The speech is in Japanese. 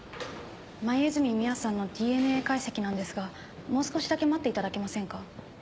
黛美羽さんのＤＮＡ解析なんですがもう少しだけ待っていただけませんか？